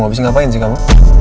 habis ngapain sih kamu